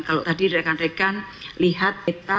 kalau tadi rekan rekan lihat kita